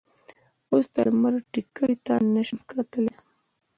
اوس د لمر ټیکلي ته نه شم کتلی.